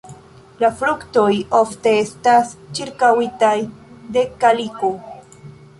La fruktoj ofte estas ĉirkaŭitaj de kaliko.